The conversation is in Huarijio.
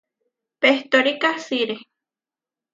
Pehtóri kasiré.